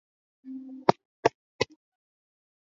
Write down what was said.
ili niweze rekebisha